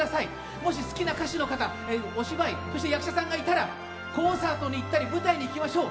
もし好きな歌手の方お芝居、役者さんがいたらコンサートに行ったり舞台に行きましょう。